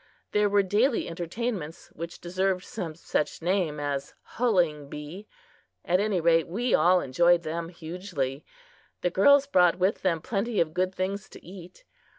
There were daily entertainments which deserved some such name as "hulling bee" at any rate, we all enjoyed them hugely. The girls brought with them plenty of good things to eat.